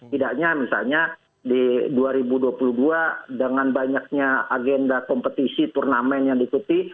tidaknya misalnya di dua ribu dua puluh dua dengan banyaknya agenda kompetisi turnamen yang diikuti